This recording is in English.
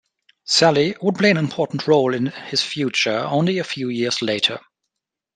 Saly would play an important role in his future only a few years later.